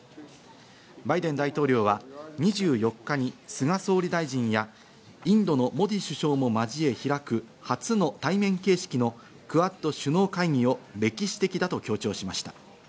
バイデン大統領は２４日に菅総理大臣や、インドのモディ首相も交え開く、初の対面形式のクアッド首脳会議を歴史的だと強調しました。